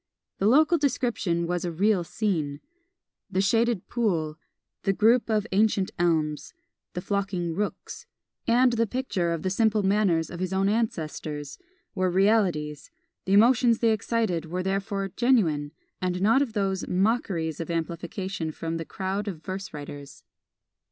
The local description was a real scene "the shaded pool" "the group of ancient elms" "the flocking rooks," and the picture of the simple manners of his own ancestors, were realities; the emotions they excited were therefore genuine, and not one of those "mockeries" of amplification from the crowd of verse writers.